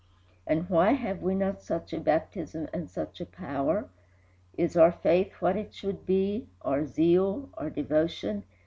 And why have we not such a baptism and such a power? Is our faith what it should be, our zeal, our devotion?